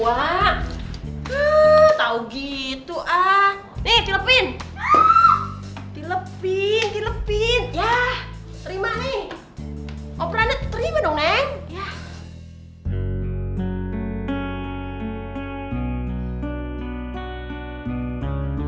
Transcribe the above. elah anak ini kebangetan banget